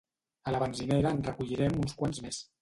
A la benzinera en recollirem uns quants més